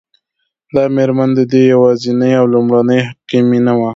دا مېرمن د ده یوازېنۍ او لومړنۍ حقیقي مینه وه